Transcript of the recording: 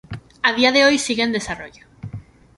A día de hoy sigue en desarrollo.